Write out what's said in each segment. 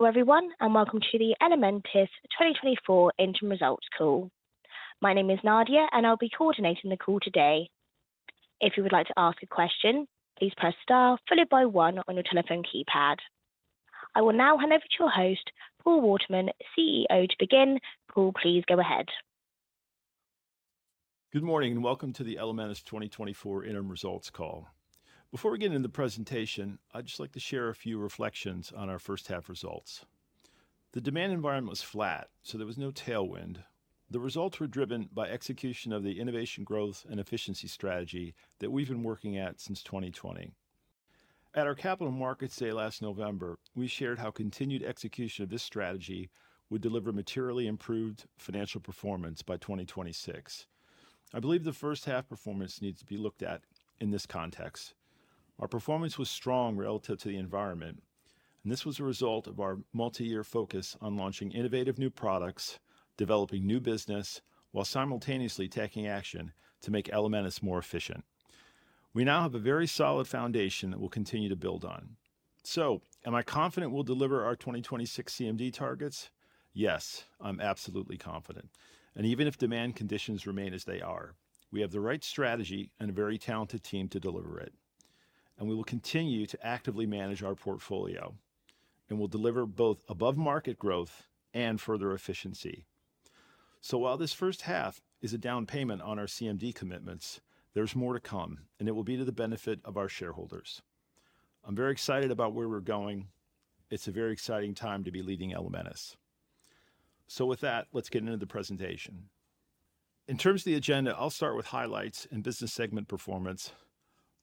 Hello, everyone, and welcome to the Elementis 2024 Interim Results Call. My name is Nadia, and I'll be coordinating the call today. If you would like to ask a question, please press Star followed by One on your telephone keypad. I will now hand over to your host, Paul Waterman, CEO, to begin. Paul, please go ahead. Good morning, and welcome to the Elementis 2024 Interim Results Call. Before we get into the presentation, I'd just like to share a few reflections on our first half results. The demand environment was flat, so there was no tailwind. The results were driven by execution of the innovation, growth, and efficiency strategy that we've been working at since 2020. At our Capital Markets Day last November, we shared how continued execution of this strategy would deliver materially improved financial performance by 2026. I believe the first half performance needs to be looked at in this context. Our performance was strong relative to the environment, and this was a result of our multi-year focus on launching innovative new products, developing new business, while simultaneously taking action to make Elementis more efficient. We now have a very solid foundation that we'll continue to build on. So am I confident we'll deliver our 2026 CMD targets? Yes, I'm absolutely confident. And even if demand conditions remain as they are, we have the right strategy and a very talented team to deliver it, and we will continue to actively manage our portfolio, and we'll deliver both above-market growth and further efficiency. So while this first half is a down payment on our CMD commitments, there's more to come, and it will be to the benefit of our shareholders. I'm very excited about where we're going. It's a very exciting time to be leading Elementis. So with that, let's get into the presentation. In terms of the agenda, I'll start with highlights and business segment performance.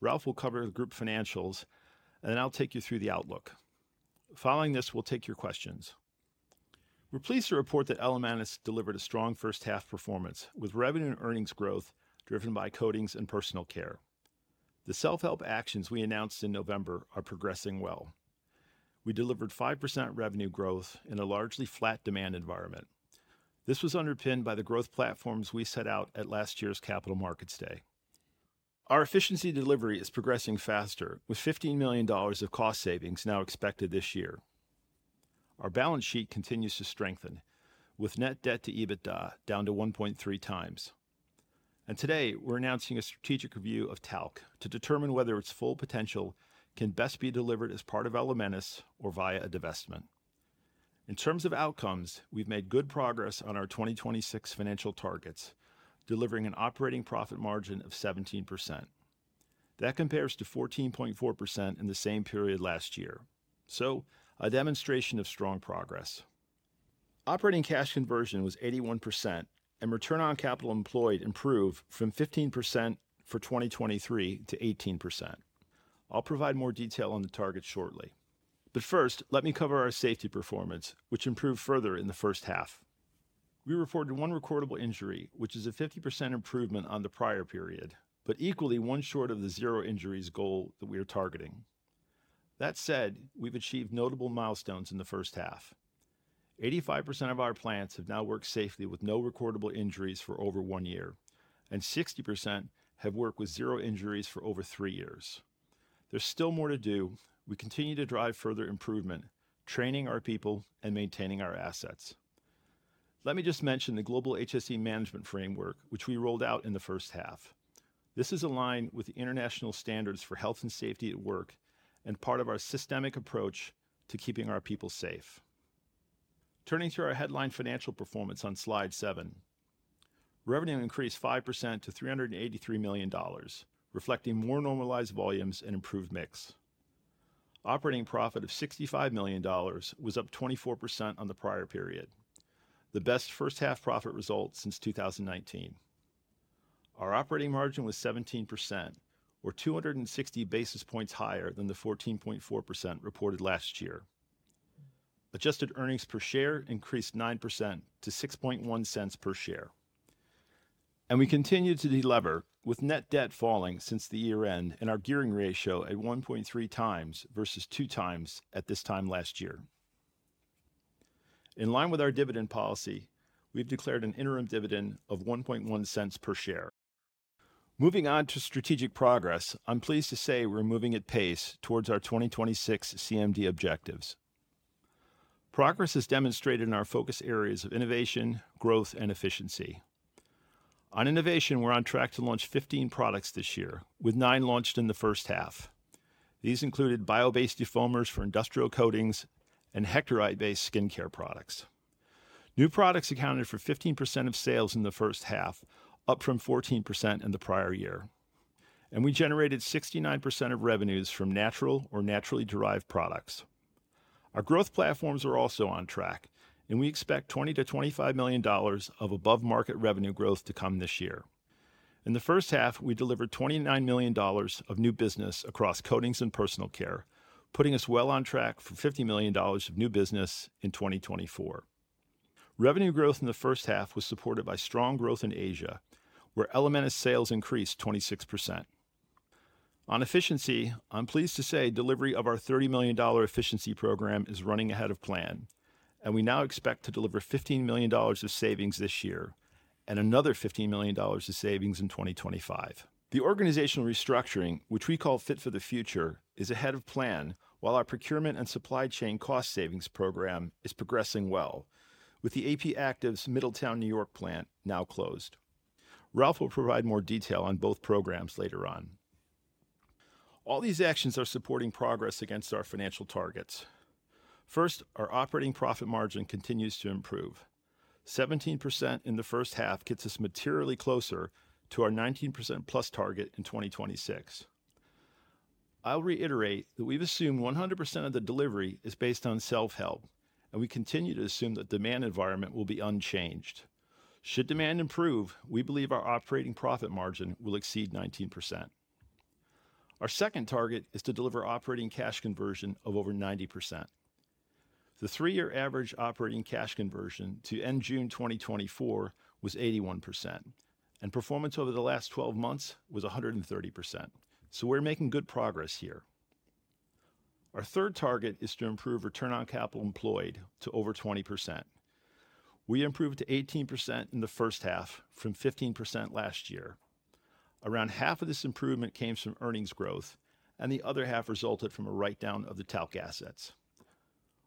Ralph will cover the group financials, and then I'll take you through the outlook. Following this, we'll take your questions. We're pleased to report that Elementis delivered a strong first half performance, with revenue and earnings growth driven by coatings and personal care. The self-help actions we announced in November are progressing well. We delivered 5% revenue growth in a largely flat demand environment. This was underpinned by the growth platforms we set out at last year's Capital Markets Day. Our efficiency delivery is progressing faster, with $15 million of cost savings now expected this year. Our balance sheet continues to strengthen, with net debt to EBITDA down to 1.3x. Today we're announcing a strategic review of talc to determine whether its full potential can best be delivered as part of Elementis or via a divestment. In terms of outcomes, we've made good progress on our 2026 financial targets, delivering an operating profit margin of 17%. That compares to 14.4% in the same period last year, so a demonstration of strong progress. Operating cash conversion was 81%, and return on capital employed improved from 15% for 2023 to 18%. I'll provide more detail on the targets shortly, but first, let me cover our safety performance, which improved further in the first half. We reported one recordable injury, which is a 50% improvement on the prior period, but equally one short of the zero injuries goal that we are targeting. That said, we've achieved notable milestones in the first half. 85% of our plants have now worked safely with no recordable injuries for over one year, and 60% have worked with zero injuries for over three years. There's still more to do. We continue to drive further improvement, training our people and maintaining our assets. Let me just mention the Global HSE Management Framework, which we rolled out in the first half. This is aligned with the international standards for health and safety at work and part of our systemic approach to keeping our people safe. Turning to our headline financial performance on Slide Seven, revenue increased 5% to $383 million, reflecting more normalized volumes and improved mix. Operating profit of $65 million was up 24% on the prior period, the best first half profit result since 2019. Our operating margin was 17%, or 260 basis points higher than the 14.4% reported last year. Adjusted earnings per share increased 9% to $0.061 per share, and we continued to delever, with net debt falling since the year-end and our gearing ratio at 1.3x versus 2x at this time last year. In line with our dividend policy, we've declared an interim dividend of $0.011 per share. Moving on to strategic progress, I'm pleased to say we're moving at pace towards our 2026 CMD objectives. Progress is demonstrated in our focus areas of innovation, growth, and efficiency. On innovation, we're on track to launch 15 products this year, with nine launched in the first half. These included bio-based foamers for industrial coatings and hectorite-based skincare products. New products accounted for 15% of sales in the first half, up from 14% in the prior year, and we generated 69% of revenues from natural or naturally derived products. Our growth platforms are also on track, and we expect $20 million-$25 million of above-market revenue growth to come this year. In the first half, we delivered $29 million of new business across coatings and personal care, putting us well on track for $50 million of new business in 2024. Revenue growth in the first half was supported by strong growth in Asia, where Elementis sales increased 26%. On efficiency, I'm pleased to say delivery of our $30 million efficiency program is running ahead of plan, and we now expect to deliver $15 million of savings this year and another $50 million of savings in 2025. The organizational restructuring, which we call Fit for the Future, is ahead of plan, while our procurement and supply chain cost savings program is progressing well, with the AP Actives Middletown, New York plant now closed. Ralph will provide more detail on both programs later on. All these actions are supporting progress against our financial targets. First, our operating profit margin continues to improve. 17% in the first half gets us materially closer to our 19%+ target in 2026. I'll reiterate that we've assumed 100% of the delivery is based on self-help, and we continue to assume the demand environment will be unchanged. Should demand improve, we believe our operating profit margin will exceed 19%. Our second target is to deliver operating cash conversion of over 90%. The 3-year average operating cash conversion to end June 2024 was 81%, and performance over the last 12 months was 130%. So we're making good progress here. Our third target is to improve return on capital employed to over 20%. We improved to 18% in the first half from 15% last year. Around half of this improvement came from earnings growth, and the other half resulted from a write-down of the talc assets.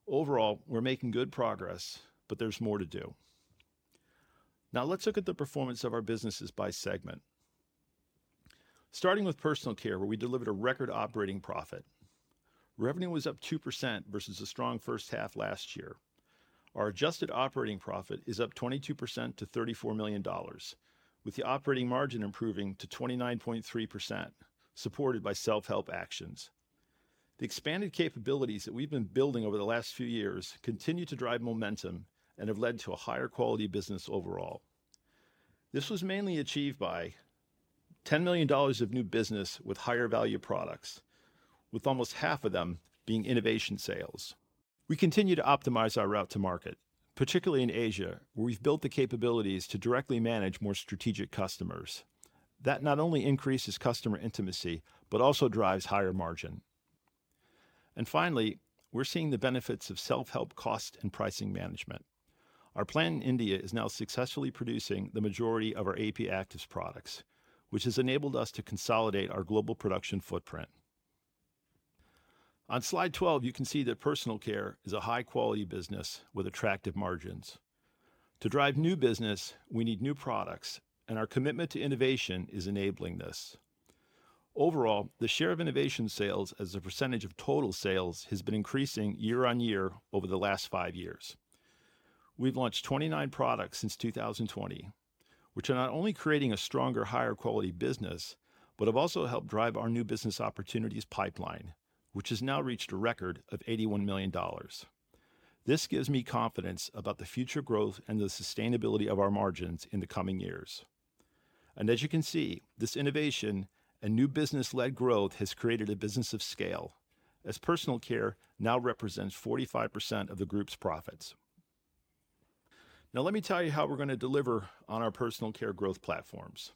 Overall, we're making good progress, but there's more to do. Now let's look at the performance of our businesses by segment. Starting with Personal Care, where we delivered a record operating profit. Revenue was up 2% versus a strong first half last year. Our adjusted operating profit is up 22% to $34 million, with the operating margin improving to 29.3%, supported by self-help actions. The expanded capabilities that we've been building over the last few years continue to drive momentum and have led to a higher quality business overall. This was mainly achieved by $10 million of new business with higher value products, with almost half of them being innovation sales. We continue to optimize our route to market, particularly in Asia, where we've built the capabilities to directly manage more strategic customers. That not only increases customer intimacy, but also drives higher margin. And finally, we're seeing the benefits of self-help cost and pricing management. Our plant in India is now successfully producing the majority of our AP Actives products, which has enabled us to consolidate our global production footprint. On Slide 12, you can see that personal care is a high-quality business with attractive margins. To drive new business, we need new products, and our commitment to innovation is enabling this. Overall, the share of innovation sales as a percentage of total sales has been increasing year-over-year over the last five years. We've launched 29 products since 2020, which are not only creating a stronger, higher quality business, but have also helped drive our new business opportunities pipeline, which has now reached a record of $81 million. This gives me confidence about the future growth and the sustainability of our margins in the coming years. As you can see, this innovation and new business-led growth has created a business of scale, as personal care now represents 45% of the group's profits. Now, let me tell you how we're going to deliver on our personal care growth platforms.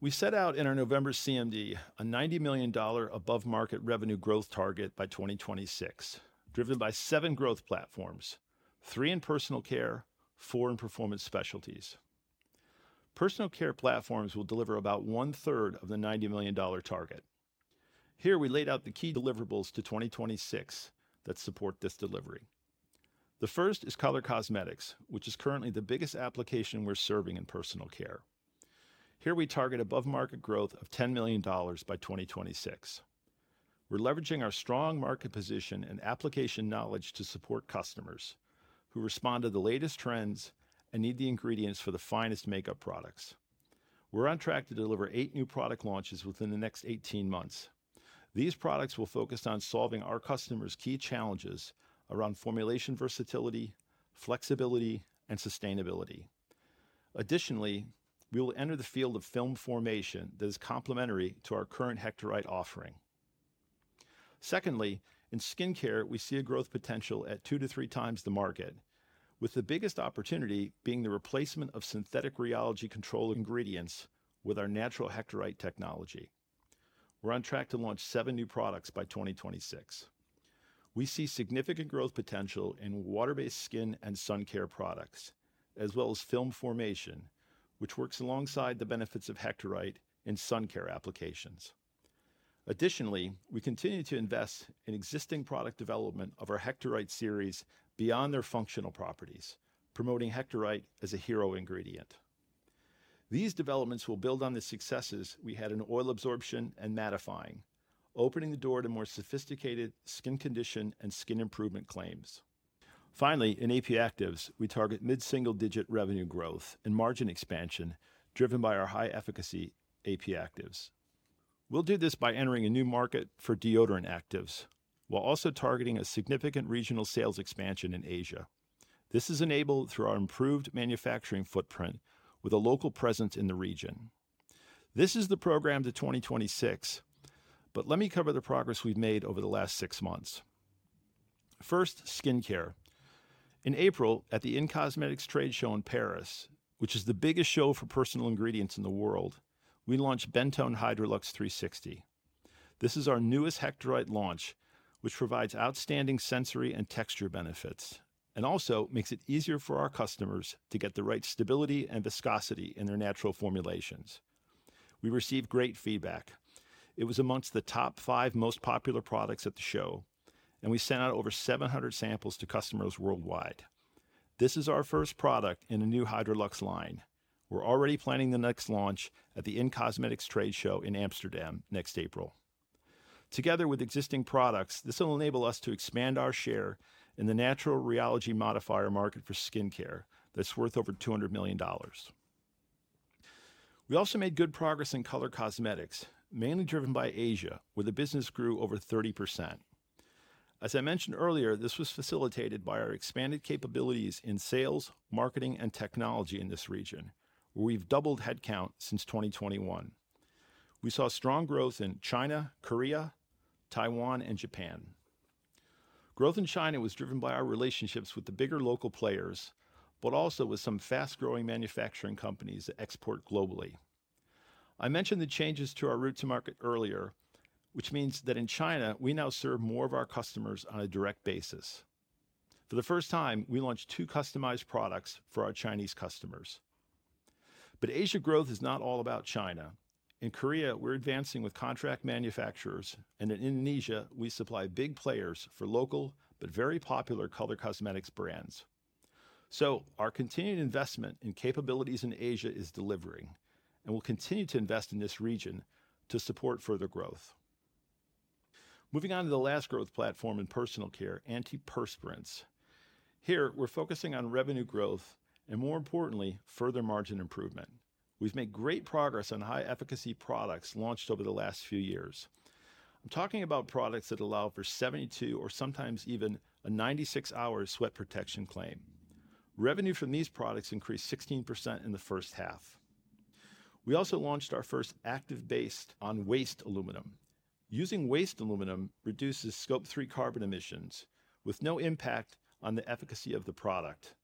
We set out in our November CMD a $90 million above-market revenue growth target by 2026, driven by seven growth platforms, three in Personal Care, four in Performance Specialties. Personal Care platforms will deliver about 1/3 of the $90 million target. Here, we laid out the key deliverables to 2026 that support this delivery. The first is color cosmetics, which is currently the biggest application we're serving in Personal Care. Here we target above-market growth of $10 million by 2026. We're leveraging our strong market position and application knowledge to support customers who respond to the latest trends and need the ingredients for the finest makeup products. We're on track to deliver eight new product launches within the next eighteen months. These products will focus on solving our customers' key challenges around formulation versatility, flexibility, and sustainability. Additionally, we will enter the field of film formation that is complementary to our current hectorite offering. Secondly, in skincare, we see a growth potential at 2x to 3x the market, with the biggest opportunity being the replacement of synthetic rheology control ingredients with our natural hectorite technology. We're on track to launch seven new products by 2026. We see significant growth potential in water-based skin and sun care products, as well as film formation, which works alongside the benefits of hectorite in sun care applications. Additionally, we continue to invest in existing product development of our hectorite series beyond their functional properties, promoting hectorite as a hero ingredient. These developments will build on the successes we had in oil absorption and mattifying, opening the door to more sophisticated skin condition and skin improvement claims. Finally, in AP Actives, we target mid-single-digit revenue growth and margin expansion, driven by our high-efficacy AP Actives. We'll do this by entering a new market for deodorant actives while also targeting a significant regional sales expansion in Asia. This is enabled through our improved manufacturing footprint with a local presence in the region. This is the program to 2026, but let me cover the progress we've made over the last six months. First, skincare. In April, at the in-cosmetics trade show in Paris, which is the biggest show for personal ingredients in the world, we launched BENTONE HYDROLUXE 360. This is our newest hectorite launch, which provides outstanding sensory and texture benefits, and also makes it easier for our customers to get the right stability and viscosity in their natural formulations. We received great feedback. It was among the top five most popular products at the show, and we sent out over 700 samples to customers worldwide. This is our first product in the new HYDROLUXE line. We're already planning the next launch at the in-cosmetics trade show in Amsterdam next April. Together with existing products, this will enable us to expand our share in the natural rheology modifier market for skincare that's worth over $200 million. We also made good progress in color cosmetics, mainly driven by Asia, where the business grew over 30%. As I mentioned earlier, this was facilitated by our expanded capabilities in sales, marketing, and technology in this region, where we've doubled headcount since 2021. We saw strong growth in China, Korea, Taiwan, and Japan. Growth in China was driven by our relationships with the bigger local players, but also with some fast-growing manufacturing companies that export globally. I mentioned the changes to our route to market earlier, which means that in China, we now serve more of our customers on a direct basis. For the first time, we launched two customized products for our Chinese customers. But Asia growth is not all about China. In Korea, we're advancing with contract manufacturers, and in Indonesia, we supply big players for local but very popular color cosmetics brands. So our continued investment in capabilities in Asia is delivering, and we'll continue to invest in this region to support further growth. Moving on to the last growth platform in Personal Care, antiperspirants. Here, we're focusing on revenue growth and, more importantly, further margin improvement. We've made great progress on high efficacy products launched over the last few years. I'm talking about products that allow for 72 or sometimes even a 96 hours sweat protection claim. Revenue from these products increased 16% in the first half. We also launched our first active based on waste aluminum. Using waste aluminum reduces Scope 3 carbon emissions, with no impact on the efficacy of the product.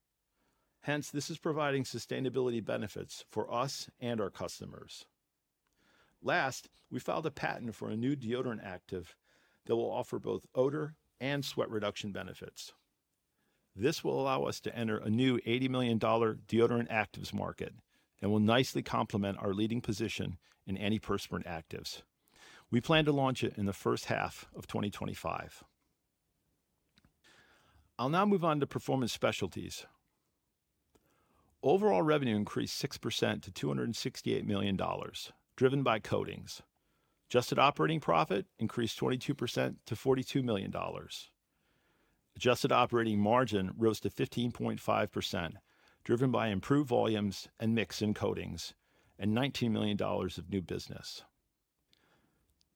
Hence, this is providing sustainability benefits for us and our customers. Last, we filed a patent for a new deodorant active that will offer both odor and sweat reduction benefits. This will allow us to enter a new $80 million deodorant actives market and will nicely complement our leading position in antiperspirant actives. We plan to launch it in the first half of 2025. I'll now move on to Performance Specialties. Overall revenue increased 6% to $268 million, driven by coatings. Adjusted operating profit increased 22% to $42 million. Adjusted operating margin rose to 15.5%, driven by improved volumes and mix in coatings and $19 million of new business.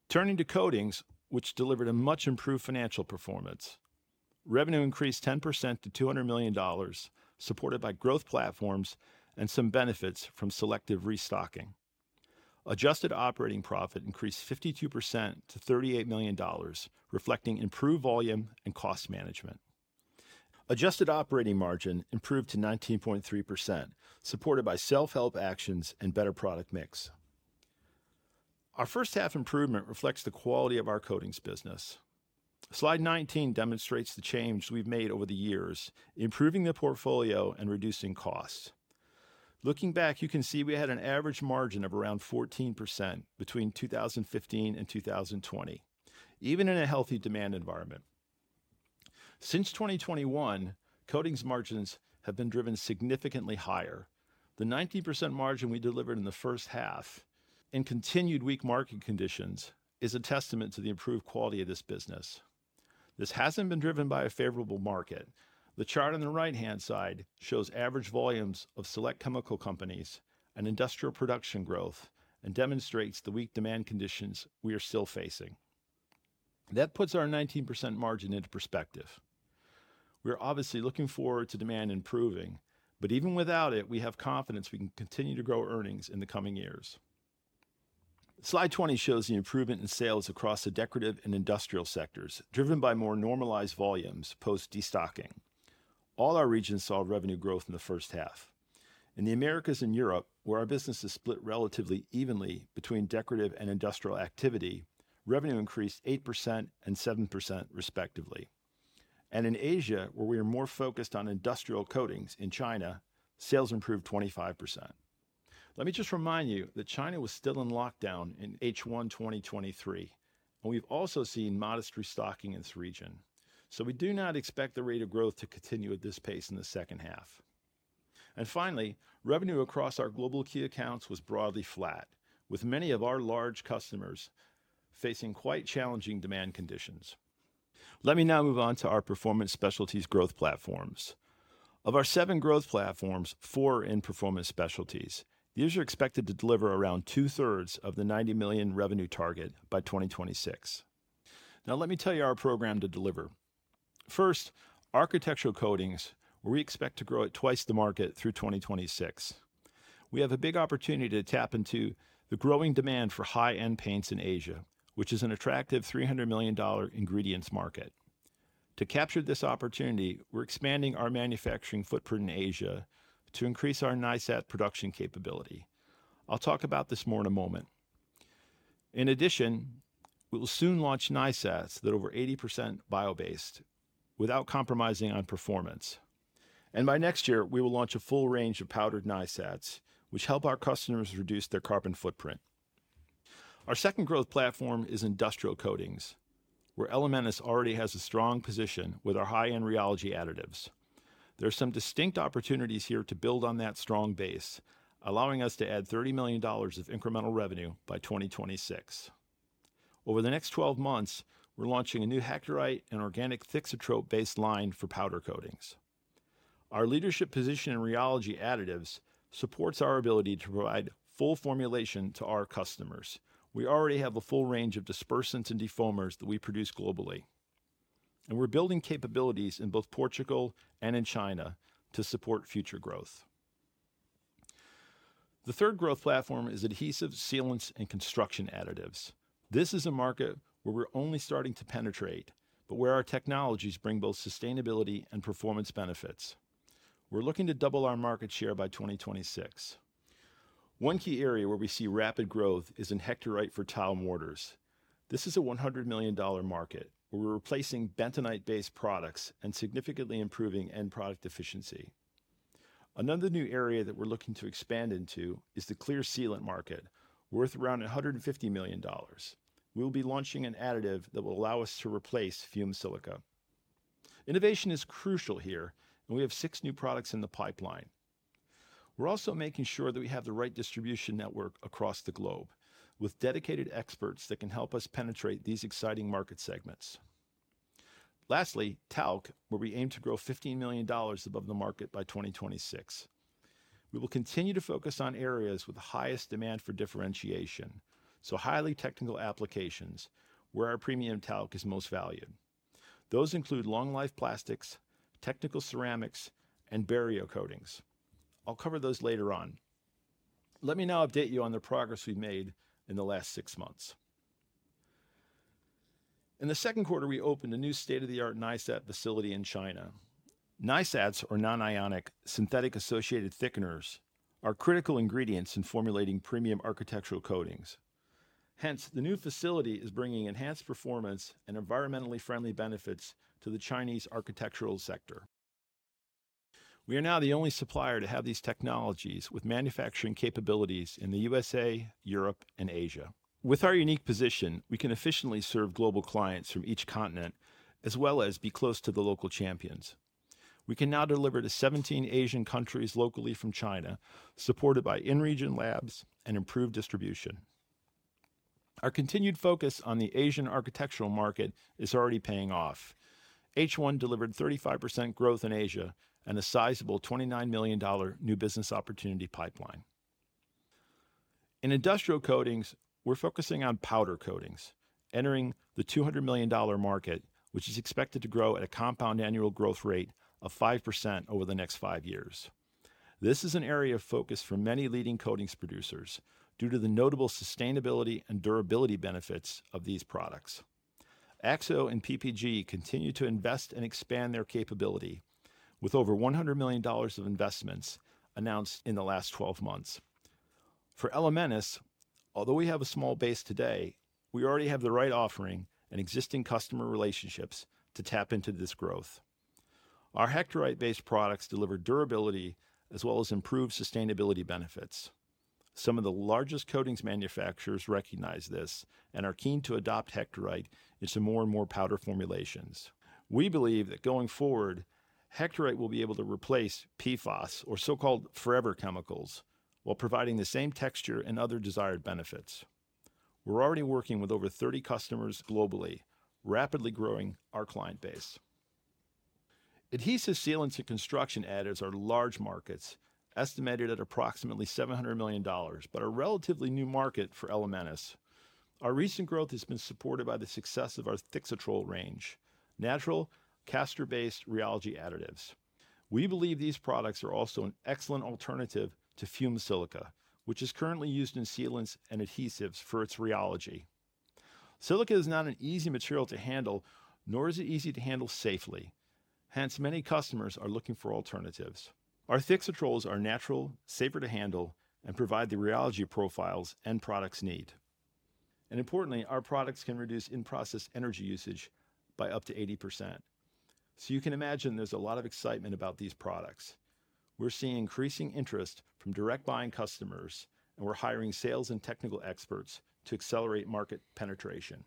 Turning to coatings, which delivered a much improved financial performance, revenue increased 10% to $200 million, supported by growth platforms and some benefits from selective restocking. Adjusted operating profit increased 52% to $38 million, reflecting improved volume and cost management. Adjusted operating margin improved to 19.3%, supported by self-help actions and better product mix. Our first half improvement reflects the quality of our coatings business. Slide 19 demonstrates the change we've made over the years, improving the portfolio and reducing costs. Looking back, you can see we had an average margin of around 14% between 2015 and 2020, even in a healthy demand environment. Since 2021, coatings margins have been driven significantly higher. The 19% margin we delivered in the first half in continued weak market conditions is a testament to the improved quality of this business. This hasn't been driven by a favorable market. The chart on the right-hand side shows average volumes of select chemical companies and industrial production growth and demonstrates the weak demand conditions we are still facing. That puts our 19% margin into perspective. We are obviously looking forward to demand improving, but even without it, we have confidence we can continue to grow earnings in the coming years. Slide 20 shows the improvement in sales across the decorative and industrial sectors, driven by more normalized volumes post-destocking. All our regions saw revenue growth in the first half. In the Americas and Europe, where our business is split relatively evenly between decorative and industrial activity, revenue increased 8% and 7%, respectively. And in Asia, where we are more focused on industrial coatings in China, sales improved 25%. Let me just remind you that China was still in lockdown in H1 2023, and we've also seen modest restocking in this region. So we do not expect the rate of growth to continue at this pace in the second half. And finally, revenue across our global key accounts was broadly flat, with many of our large customers facing quite challenging demand conditions. Let me now move on to our Performance Specialties growth platforms. Of our seven growth platforms, four are in Performance Specialties. These are expected to deliver around 2/3 of the $90 million revenue target by 2026. Now, let me tell you our program to deliver. First, architectural coatings, where we expect to grow at twice the market through 2026. We have a big opportunity to tap into the growing demand for high-end paints in Asia, which is an attractive $300 million ingredients market. To capture this opportunity, we're expanding our manufacturing footprint in Asia to increase our NISAT production capability. I'll talk about this more in a moment. In addition, we will soon launch NISATs that are over 80% bio-based, without compromising on performance. And by next year, we will launch a full range of powdered NISATs, which help our customers reduce their carbon footprint. Our second growth platform is industrial coatings, where Elementis already has a strong position with our high-end rheology additives. There are some distinct opportunities here to build on that strong base, allowing us to add $30 million of incremental revenue by 2026. Over the next 12 months, we're launching a new hectorite and organic thixotrope-based line for powder coatings. Our leadership position in rheology additives supports our ability to provide full formulation to our customers. We already have a full range of dispersants and defoamers that we produce globally, and we're building capabilities in both Portugal and in China to support future growth. The third growth platform is adhesives, sealants, and construction additives. This is a market where we're only starting to penetrate, but where our technologies bring both sustainability and performance benefits. We're looking to double our market share by 2026. One key area where we see rapid growth is in hectorite for tile mortars. This is a $100 million market, where we're replacing bentonite-based products and significantly improving end product efficiency. Another new area that we're looking to expand into is the clear sealant market, worth around $150 million. We will be launching an additive that will allow us to replace fumed silica. Innovation is crucial here, and we have six new products in the pipeline. We're also making sure that we have the right distribution network across the globe, with dedicated experts that can help us penetrate these exciting market segments. Lastly, talc, where we aim to grow $15 million above the market by 2026. We will continue to focus on areas with the highest demand for differentiation, so highly technical applications where our premium talc is most valued. Those include long-life plastics, technical ceramics, and barrier coatings. I'll cover those later on. Let me now update you on the progress we've made in the last six months. In the second quarter, we opened a new state-of-the-art NISAT facility in China. NISATs, or non-ionic synthetic associative thickeners, are critical ingredients in formulating premium architectural coatings. Hence, the new facility is bringing enhanced performance and environmentally friendly benefits to the Chinese architectural sector. We are now the only supplier to have these technologies with manufacturing capabilities in the USA, Europe, and Asia. With our unique position, we can efficiently serve global clients from each continent, as well as be close to the local champions. We can now deliver to 17 Asian countries locally from China, supported by in-region labs and improved distribution. Our continued focus on the Asian architectural market is already paying off. H1 delivered 35% growth in Asia and a sizable $29 million new business opportunity pipeline. In industrial coatings, we're focusing on powder coatings, entering the $200 million market, which is expected to grow at a compound annual growth rate of 5% over the next 5 years. This is an area of focus for many leading coatings producers due to the notable sustainability and durability benefits of these products. Akzo and PPG continue to invest and expand their capability, with over $100 million of investments announced in the last 12 months. For Elementis, although we have a small base today, we already have the right offering and existing customer relationships to tap into this growth. Our hectorite-based products deliver durability as well as improved sustainability benefits. Some of the largest coatings manufacturers recognize this and are keen to adopt hectorite into more and more powder formulations. We believe that going forward, hectorite will be able to replace PFOS or so-called forever chemicals, while providing the same texture and other desired benefits. We're already working with over 30 customers globally, rapidly growing our client base. Adhesive sealants and construction additives are large markets, estimated at approximately $700 million, but a relatively new market for Elementis. Our recent growth has been supported by the success of our THIXATROL range, natural castor-based rheology additives. We believe these products are also an excellent alternative to fumed silica, which is currently used in sealants and adhesives for its rheology. Silica is not an easy material to handle, nor is it easy to handle safely. Hence, many customers are looking for alternatives. Our THIXATROLs are natural, safer to handle, and provide the rheology profiles end products need. And importantly, our products can reduce in-process energy usage by up to 80%. So you can imagine there's a lot of excitement about these products. We're seeing increasing interest from direct buying customers, and we're hiring sales and technical experts to accelerate market penetration.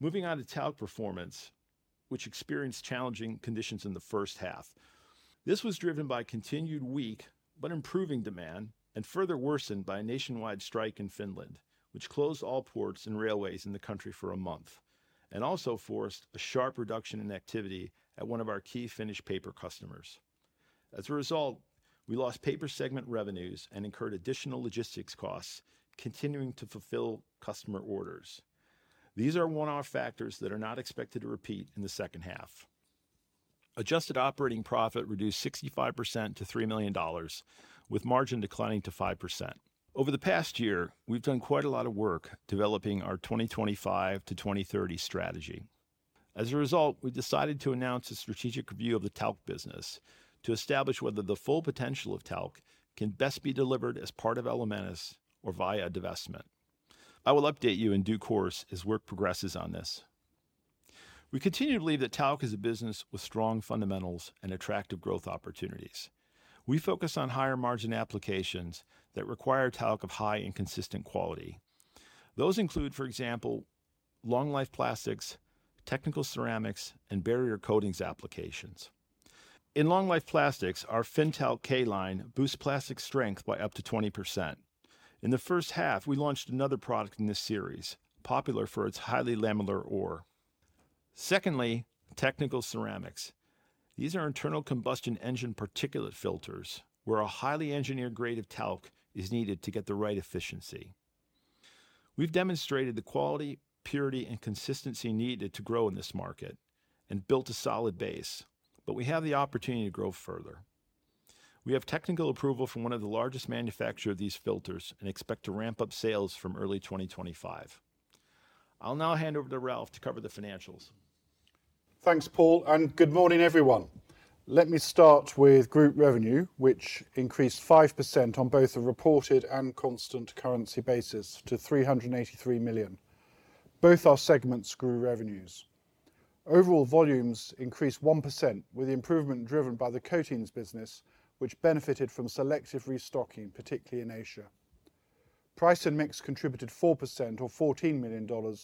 Moving on to talc performance, which experienced challenging conditions in the first half. This was driven by continued weak but improving demand and further worsened by a nationwide strike in Finland, which closed all ports and railways in the country for a month, and also forced a sharp reduction in activity at one of our key Finnish paper customers. As a result, we lost paper segment revenues and incurred additional logistics costs, continuing to fulfill customer orders. These are one-off factors that are not expected to repeat in the second half. Adjusted operating profit reduced 65% to $3 million, with margin declining to 5%. Over the past year, we've done quite a lot of work developing our 2025 to 2030 strategy. As a result, we decided to announce a strategic review of the talc business to establish whether the full potential of talc can best be delivered as part of Elementis or via a divestment. I will update you in due course as work progresses on this. We continue to believe that talc is a business with strong fundamentals and attractive growth opportunities. We focus on higher margin applications that require talc of high and consistent quality. Those include, for example, long-life plastics, technical ceramics, and barrier coatings applications. In long-life plastics, our Finntalc K line boosts plastic strength by up to 20%. In the first half, we launched another product in this series, popular for its highly lamellar ore. Secondly, technical ceramics. These are internal combustion engine particulate filters, where a highly engineered grade of talc is needed to get the right efficiency. We've demonstrated the quality, purity, and consistency needed to grow in this market and built a solid base, but we have the opportunity to grow further. We have technical approval from one of the largest manufacturer of these filters and expect to ramp up sales from early 2025. I'll now hand over to Ralph to cover the financials. Thanks, Paul, and good morning, everyone. Let me start with group revenue, which increased 5% on both a reported and constant currency basis to $383 million. Both our segments grew revenues. Overall volumes increased 1%, with the improvement driven by the coatings business, which benefited from selective restocking, particularly in Asia. Price and mix contributed 4% or $14 million,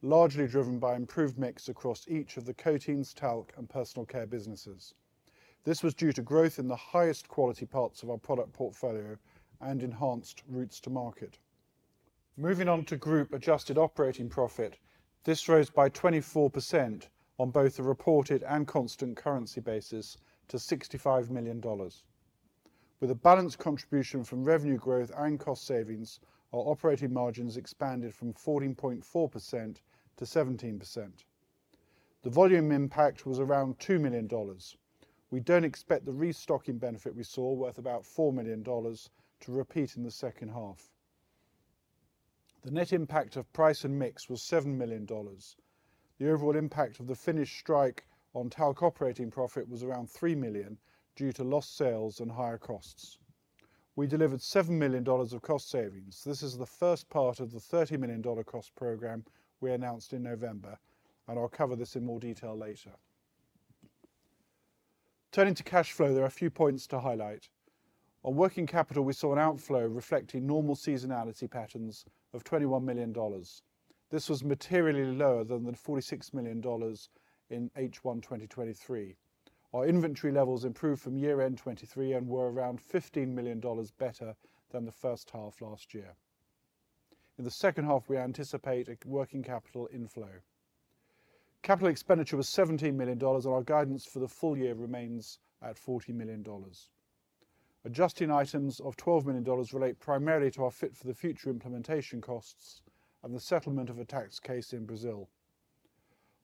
largely driven by improved mix across each of the coatings, talc, and personal care businesses. This was due to growth in the highest quality parts of our product portfolio and enhanced routes to market. Moving on to group adjusted operating profit, this rose by 24% on both a reported and constant currency basis to $65 million. With a balanced contribution from revenue growth and cost savings, our operating margins expanded from 14.4% to 17%. The volume impact was around $2 million. We don't expect the restocking benefit we saw, worth about $4 million, to repeat in the second half. The net impact of price and mix was $7 million. The overall impact of the Finnish strike on talc operating profit was around $3 million due to lost sales and higher costs. We delivered $7 million of cost savings. This is the first part of the $30 million cost program we announced in November, and I'll cover this in more detail later. Turning to cash flow, there are a few points to highlight. On working capital, we saw an outflow reflecting normal seasonality patterns of $21 million. This was materially lower than the $46 million in H1 2023. Our inventory levels improved from year-end 2023 and were around $15 million better than the first half last year. In the second half, we anticipate a working capital inflow. Capital expenditure was $17 million, and our guidance for the full year remains at $40 million. Adjusting items of $12 million relate primarily to our Fit for the Future implementation costs and the settlement of a tax case in Brazil.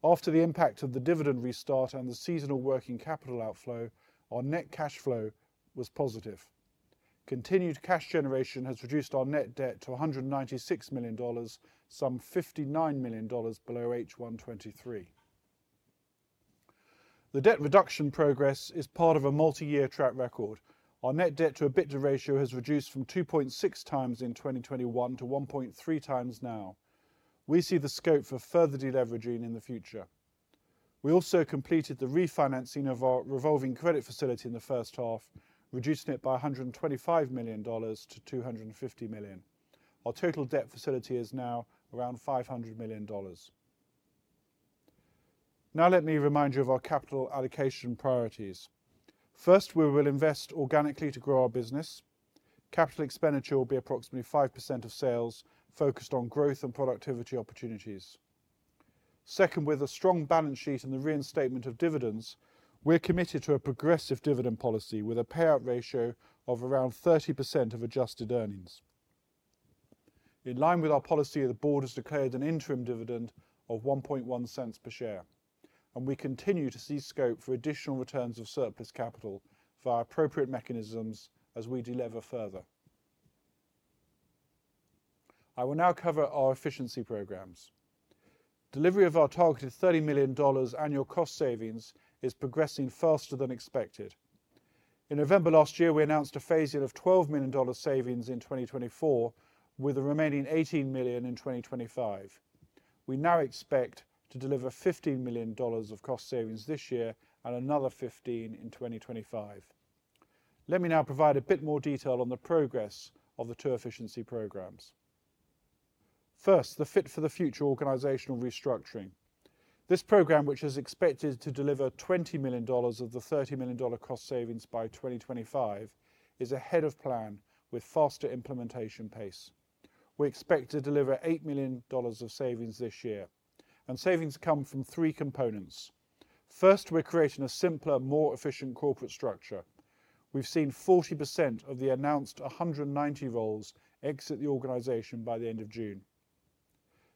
After the impact of the dividend restart and the seasonal working capital outflow, our net cash flow was positive. Continued cash generation has reduced our net debt to $196 million, some $59 million below H1 2023. The debt reduction progress is part of a multi-year track record. Our net debt to EBITDA ratio has reduced from 2.6 times in 2021 to 1.3x now. We see the scope for further deleveraging in the future. We also completed the refinancing of our revolving credit facility in the first half, reducing it by $125 million to $250 million. Our total debt facility is now around $500 million. Now, let me remind you of our capital allocation priorities. First, we will invest organically to grow our business. Capital expenditure will be approximately 5% of sales, focused on growth and productivity opportunities. Second, with a strong balance sheet and the reinstatement of dividends, we're committed to a progressive dividend policy with a payout ratio of around 30% of adjusted earnings. In line with our policy, the board has declared an interim dividend of $0.011 per share, and we continue to see scope for additional returns of surplus capital via appropriate mechanisms as we delever further. I will now cover our efficiency programs. Delivery of our targeted $30 million annual cost savings is progressing faster than expected. In November last year, we announced a phasing of $12 million savings in 2024, with the remaining $18 million in 2025. We now expect to deliver $15 million of cost savings this year and another $15 million in 2025. Let me now provide a bit more detail on the progress of the two efficiency programs. First, the Fit for the Future organizational restructuring. This program, which is expected to deliver $20 million of the $30 million cost savings by 2025, is ahead of plan with faster implementation pace. We expect to deliver $8 million of savings this year, and savings come from three components. First, we're creating a simpler, more efficient corporate structure. We've seen 40% of the announced 190 roles exit the organization by the end of June.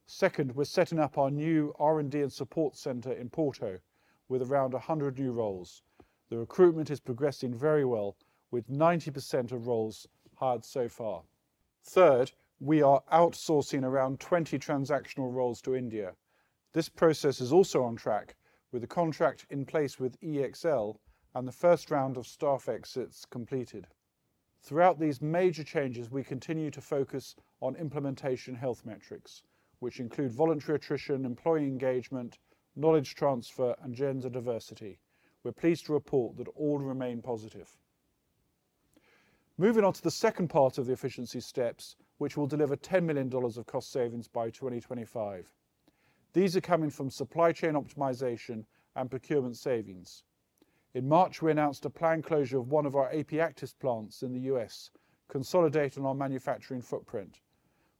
Second, we're setting up our new R&D and support center in Porto with around 100 new roles. The recruitment is progressing very well, with 90% of roles hired so far. Third, we are outsourcing around 20 transactional roles to India. This process is also on track, with a contract in place with EXL and the first round of staff exits completed. Throughout these major changes, we continue to focus on implementation health metrics, which include voluntary attrition, employee engagement, knowledge transfer, and gender diversity. We're pleased to report that all remain positive. Moving on to the second part of the efficiency steps, which will deliver $10 million of cost savings by 2025. These are coming from supply chain optimization and procurement savings. In March, we announced a planned closure of one of our AP Actives plants in the U.S., consolidating our manufacturing footprint.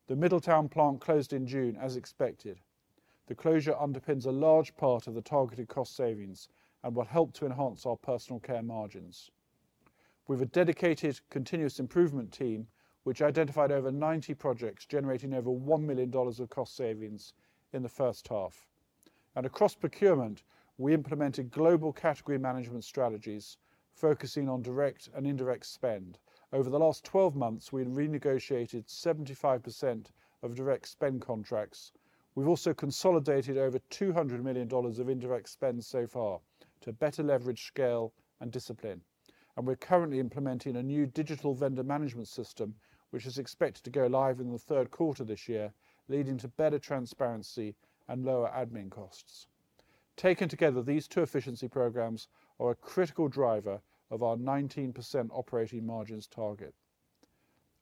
The Middletown plant closed in June, as expected. The closure underpins a large part of the targeted cost savings and will help to enhance our personal care margins. We have a dedicated continuous improvement team, which identified over 90 projects, generating over $1 million of cost savings in the first half. Across procurement, we implemented global category management strategies focusing on direct and indirect spend. Over the last 12 months, we've renegotiated 75% of direct spend contracts. We've also consolidated over $200 million of indirect spend so far to better leverage scale and discipline. We're currently implementing a new digital vendor management system, which is expected to go live in the third quarter this year, leading to better transparency and lower admin costs. Taken together, these two efficiency programs are a critical driver of our 19% operating margins target.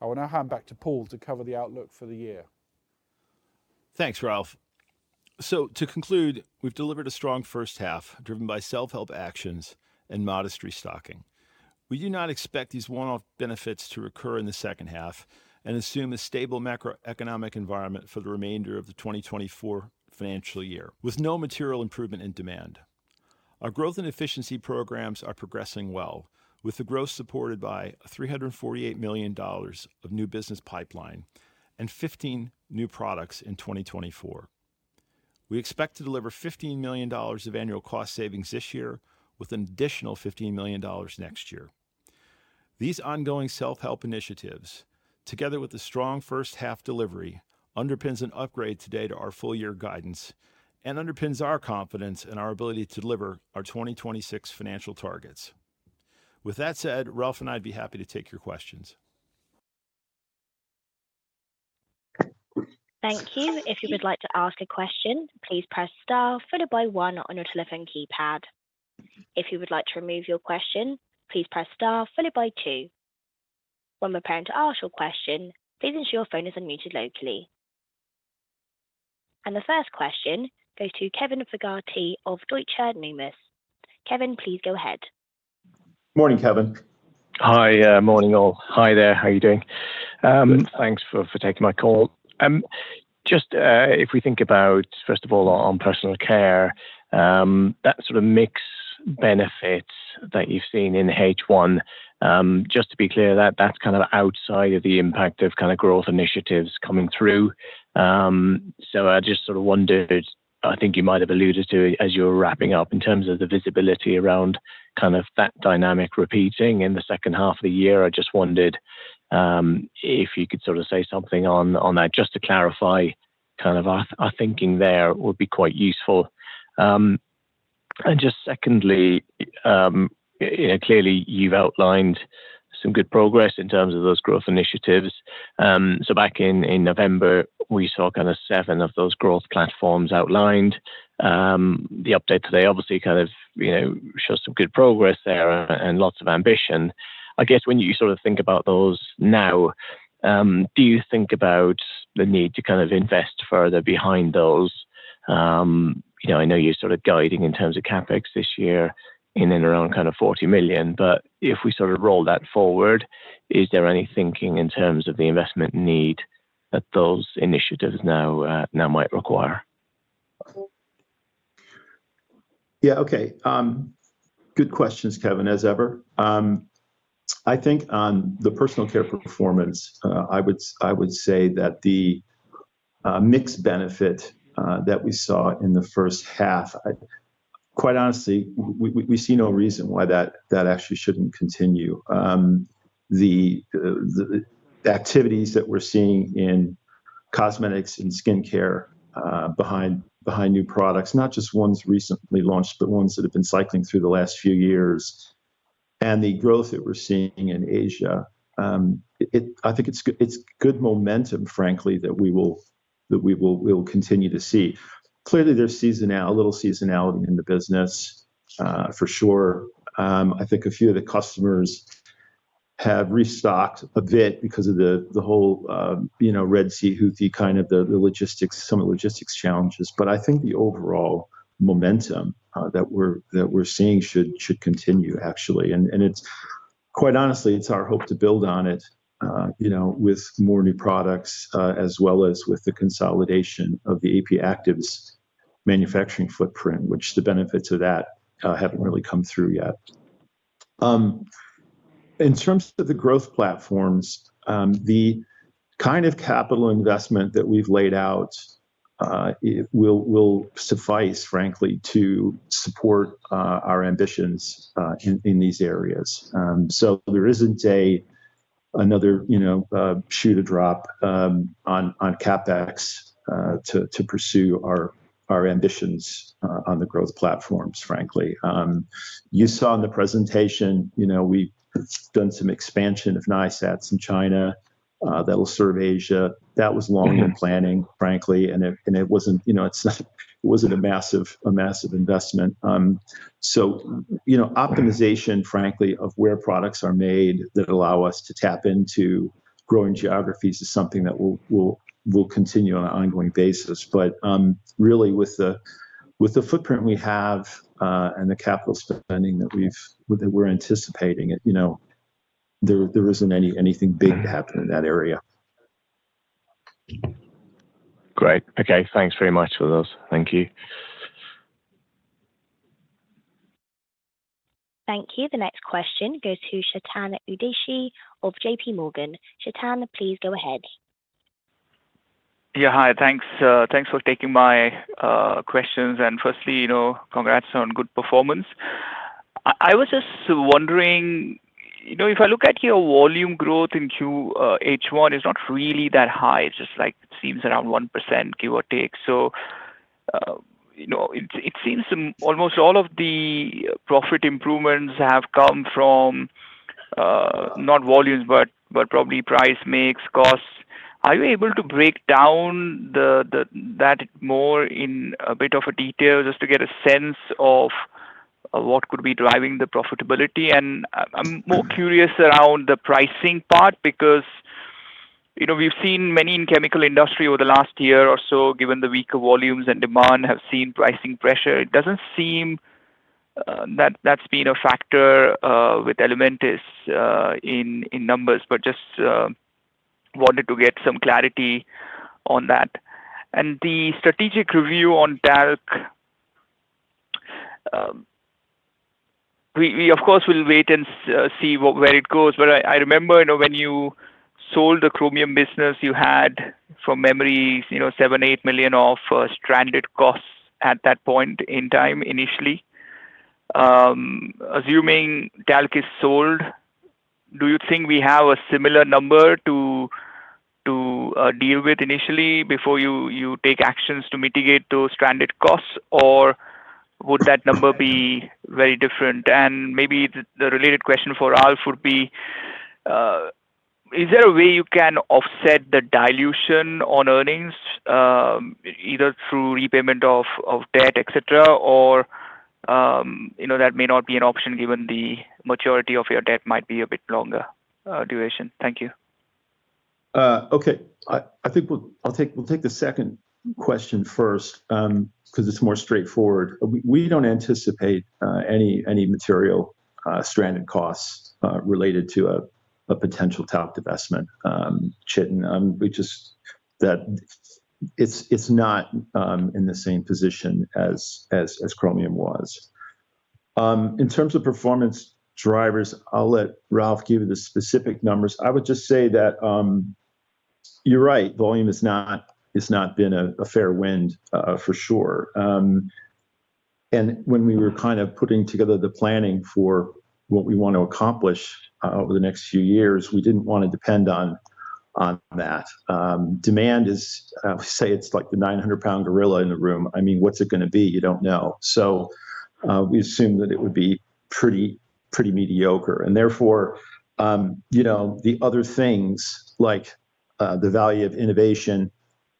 I will now hand back to Paul to cover the outlook for the year. Thanks, Ralph. So to conclude, we've delivered a strong first half, driven by self-help actions and modest restocking. We do not expect these one-off benefits to recur in the second half and assume a stable macroeconomic environment for the remainder of the 2024 financial year, with no material improvement in demand. Our growth and efficiency programs are progressing well, with the growth supported by $348 million of new business pipeline and 15 new products in 2024. We expect to deliver $15 million of annual cost savings this year, with an additional $15 million next year. These ongoing self-help initiatives, together with the strong first half delivery, underpins an upgrade today to our full year guidance and underpins our confidence in our ability to deliver our 2026 financial targets. With that said, Ralph and I'd be happy to take your questions. Thank you. If you would like to ask a question, please press star followed by one on your telephone keypad. If you would like to remove your question, please press star followed by two. When preparing to ask your question, please ensure your phone is unmuted locally. The first question goes to Kevin Fogarty of Deutsche Numis. Kevin, please go ahead. Morning, Kevin. Hi. Morning, all. Hi there. How are you doing? Thanks for, for taking my call. Just, if we think about, first of all, on personal care, that sort of mix benefits that you've seen in H1, just to be clear, that that's kind of outside of the impact of kind of growth initiatives coming through. So I just sort of wondered, I think you might have alluded to it as you were wrapping up, in terms of the visibility around kind of that dynamic repeating in the second half of the year. I just wondered, if you could sort of say something on, on that, just to clarify, kind of our, our thinking there would be quite useful. And just secondly, yeah, clearly you've outlined some good progress in terms of those growth initiatives. So back in November, we saw kind of seven of those growth platforms outlined. The update today, obviously, kind of, you know, shows some good progress there and lots of ambition. I guess when you sort of think about those now, do you think about the need to kind of invest further behind those? You know, I know you're sort of guiding in terms of CapEx this year in and around kind of $40 million, but if we sort of roll that forward, is there any thinking in terms of the investment need that those initiatives now, now might require? Yeah. Okay. Good questions, Kevin, as ever. I think on the personal care performance, I would say that the mix benefit that we saw in the first half. Quite honestly, we see no reason why that actually shouldn't continue. The activities that we're seeing in cosmetics and skincare behind new products, not just ones recently launched, but ones that have been cycling through the last few years, and the growth that we're seeing in Asia, it, I think it's good, it's good momentum, frankly, that we will continue to see. Clearly, there's seasonality, a little seasonality in the business, for sure. I think a few of the customers have restocked a bit because of the, the whole, you know, Red Sea, Houthi, kind of the logistics, some of the logistics challenges. But I think the overall momentum that we're seeing should continue, actually. And it's quite honestly, it's our hope to build on it, you know, with more new products, as well as with the consolidation of the AP Actives manufacturing footprint, which the benefits of that haven't really come through yet. In terms of the growth platforms, the kind of capital investment that we've laid out, it will suffice, frankly, to support our ambitions in these areas. So there isn't another, you know, shoe to drop on CapEx to pursue our ambitions on the growth platforms, frankly. You saw in the presentation, you know, we've done some expansion of NISATs in China that will serve Asia. That was long-term planning, frankly, and it wasn't, you know, a massive investment. So, you know, optimization, frankly, of where products are made that allow us to tap into growing geographies is something that will continue on an ongoing basis. But, really with the footprint we have, and the capital spending that we're anticipating, you know, there isn't anything big to happen in that area. Great. Okay, thanks very much for those. Thank you. Thank you. The next question goes to Chetan Udeshi of JPMorgan. Chetan, please go ahead. Yeah, hi. Thanks, thanks for taking my questions. And firstly, you know, congrats on good performance. I was just wondering, you know, if I look at your volume growth in H1 is not really that high. It's just like it seems around 1%, give or take. So, you know, it seems almost all of the profit improvements have come from, not volumes, but probably price mix, costs. Are you able to break down that more in a bit of a detail, just to get a sense of what could be driving the profitability? And I'm more curious around the pricing part, because, you know, we've seen many in chemical industry over the last year or so, given the weaker volumes and demand, have seen pricing pressure. It doesn't seem that that's been a factor with Elementis in numbers, but just wanted to get some clarity on that. And the strategic review on talc. We, of course, will wait and see where it goes. But I remember, you know, when you sold the chromium business, you had, from memory, you know, $7million -$8 million of stranded costs at that point in time, initially. Assuming talc is sold, do you think we have a similar number to deal with initially before you take actions to mitigate those stranded costs, or would that number be very different? Maybe the related question for Ralph would be, is there a way you can offset the dilution on earnings, either through repayment of debt, et cetera, or, you know, that may not be an option, given the maturity of your debt might be a bit longer duration? Thank you. Okay. I think we'll take the second question first, 'cause it's more straightforward. We don't anticipate any material stranded costs related to a potential talc divestment, Chetan. We just that it's not in the same position as chromium was. In terms of performance drivers, I'll let Ralph give you the specific numbers. I would just say that, you're right, volume is not, it's not been a fair wind for sure. And when we were kind of putting together the planning for what we want to accomplish over the next few years, we didn't want to depend on that. Demand is, we say it's like the 900-pound gorilla in the room. I mean, what's it going to be? You don't know. So, we assume that it would be pretty, pretty mediocre. And therefore, you know, the other things, like, the value of innovation,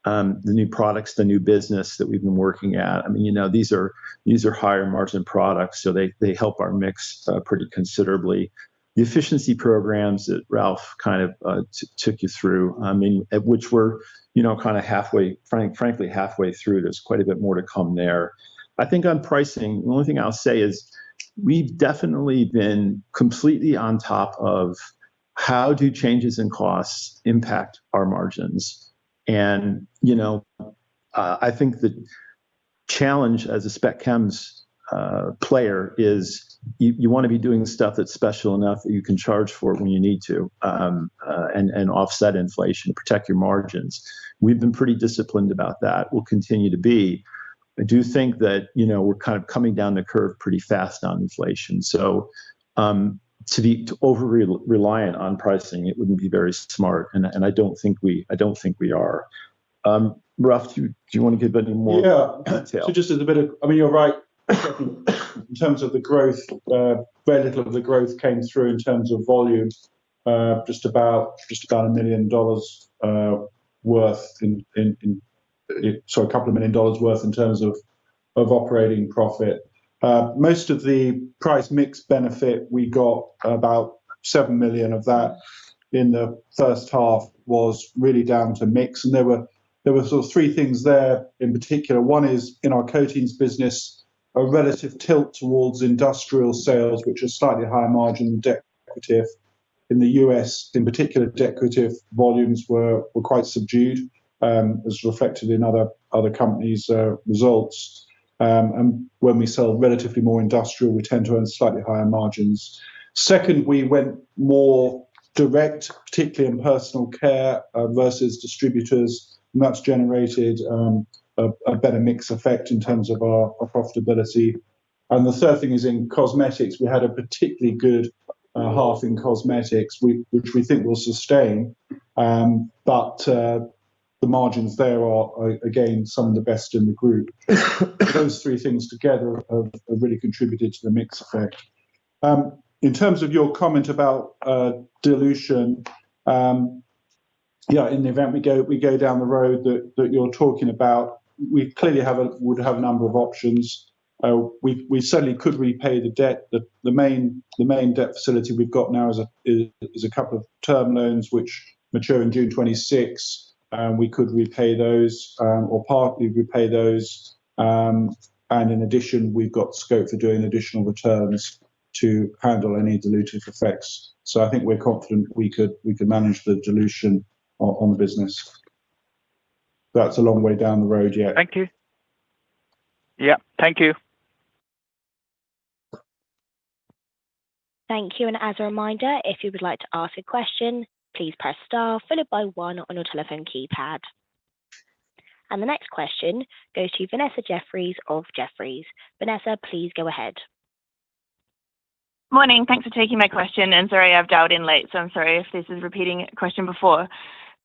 the new products, the new business that we've been working at, I mean, you know, these are, these are higher-margin products, so they, they help our mix, pretty considerably. The efficiency programs that Ralph kind of took you through, I mean, at which we're, you know, kind of halfway, frankly, halfway through. There's quite a bit more to come there. I think on pricing, the only thing I'll say is we've definitely been completely on top of how do changes in costs impact our margins. You know, I think the challenge as a spec chems player is you, you want to be doing stuff that's special enough that you can charge for it when you need to, and offset inflation, protect your margins. We've been pretty disciplined about that. We'll continue to be. I do think that, you know, we're kind of coming down the curve pretty fast on inflation. So, to be overly reliant on pricing, it wouldn't be very smart, and I don't think we, I don't think we are. Ralph, do you, do you want to give any more detail? Yeah. So just as a bit of I mean, you're right, in terms of the growth, very little of the growth came through in terms of volume, just about $1 million worth in, so $2 million worth in terms of operating profit. Most of the price mix benefit, we got about $7 million of that in the first half, was really down to mix, and there were sort of three things there in particular. One is in our coatings business, a relative tilt towards industrial sales, which is slightly higher margin decorative. In the U.S., in particular, decorative volumes were quite subdued, as reflected in other companies', results. And when we sell relatively more industrial, we tend to earn slightly higher margins. Second, we went more direct, particularly in personal care, versus distributors, and that's generated a better mix effect in terms of our profitability. And the third thing is in cosmetics. We had a particularly good half in cosmetics, which we think will sustain. But the margins there are again some of the best in the group. Those three things together have really contributed to the mix effect. In terms of your comment about dilution, yeah, in the event we go down the road that you're talking about, we clearly would have a number of options. We certainly could repay the debt. The main debt facility we've got now is a couple of term loans, which mature in June 2026, and we could repay those, or partly repay those. And in addition, we've got scope for doing additional returns to handle any dilutive effects. So I think we're confident we could manage the dilution on the business. But that's a long way down the road, yeah. Thank you. Yeah, thank you. Thank you, and as a reminder, if you would like to ask a question, please press star followed by one on your telephone keypad. The next question goes to Vanessa Jeffriess of Jefferies. Vanessa, please go ahead. Morning. Thanks for taking my question, and sorry I've dialed in late, so I'm sorry if this is a repeating question before.